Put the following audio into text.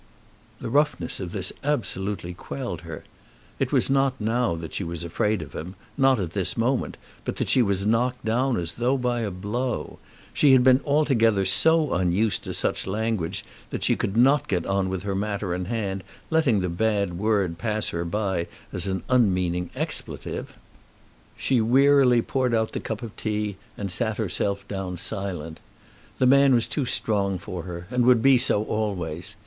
The roughness of this absolutely quelled her. It was not now that she was afraid of him, not at this moment, but that she was knocked down as though by a blow. She had been altogether so unused to such language that she could not get on with her matter in hand, letting the bad word pass by her as an unmeaning expletive. She wearily poured out the cup of tea and sat herself down silent. The man was too strong for her, and would be so always.